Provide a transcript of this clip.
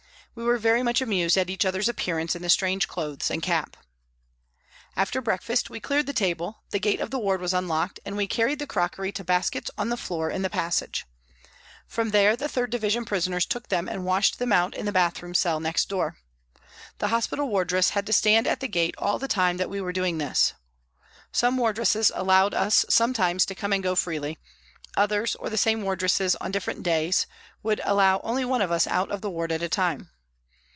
We were very much amused at each other's appearance in the strange clothes and cap. After breakfast we cleared the table, the gate of the ward was unlocked and we carried the crockery to baskets on the floor in the passage. From there the 3rd Division prisoners took them and washed them out in the bath room cell next door. The hospital wardress had to stand at the gate all the time that we were doing this. Some wardresses allowed us sometimes to come and go freely ; others, or the same wardresses on different days, would allow only one of us out of the ward at a time.